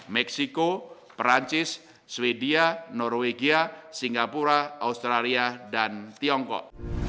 meksiko perancis sweden norwegia singapura australia dan tiongkok